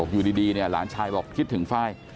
อยู่ดีเนี่ยหลานชายบอกคิดถึงฟ้าย